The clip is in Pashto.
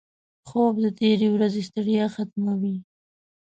خوب د تېرې ورځې ستړیا ختموي